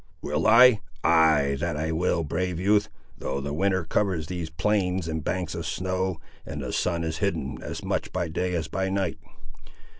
"Will I! ay, that I will, brave youth, though the winter covers these plains in banks of snow, and the sun is hidden as much by day as by night.